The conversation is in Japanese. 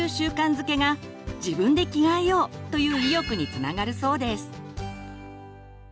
づけが「自分で着替えよう」という意欲につながるそうです。